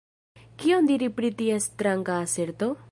Kion diri pri tia stranga aserto?